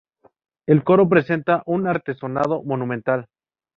El coro presenta un artesonado monumental.